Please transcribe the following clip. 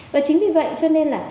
và chính vì vậy cho nên là